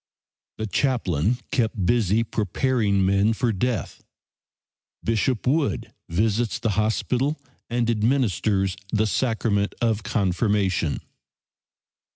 The chaplain kept busy preparing men for death. Bishop Wood visits the hospital and administers the sacrament of confirmation.